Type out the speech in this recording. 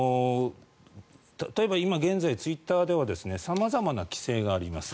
例えば今、現在ツイッターでは様々な規制があります。